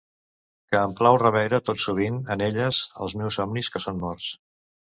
Que em plau reveure tot sovint en elles els meus somnis que són morts.